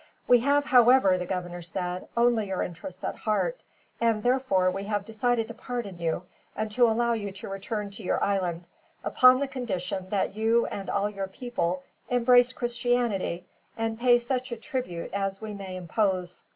"We have, however," the governor said, "only your interests at heart; and therefore we have decided to pardon you, and to allow you to return to your island, upon the condition that you and all your people embrace Christianity, and pay such a tribute as we may impose."